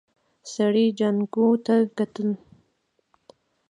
سړي جانکو ته وکتل.